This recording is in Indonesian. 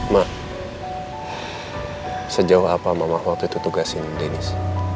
mak sejauh apa mama waktu itu tugasin dennis